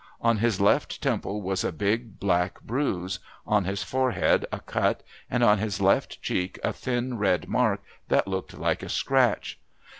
On his left temple was a big black bruise, on his forehead a cut, and on his left cheek a thin red mark that looked like a scratch.